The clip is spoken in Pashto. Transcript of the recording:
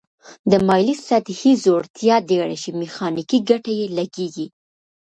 د مایلې سطحې ځوړتیا ډیره شي میخانیکي ګټه یې لږیږي.